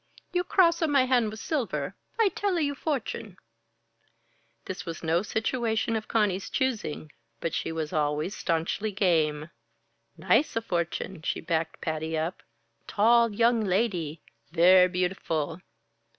"You cross a my hand with silver I tell a your fortune." This was no situation of Conny's choosing, but she was always staunchly game. "Nice a fortune," she backed Patty up. "Tall young lady. Ver' beautiful."